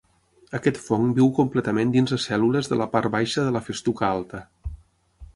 Aquest fong viu completament dins les cèl·lules de la part baixa de la festuca alta.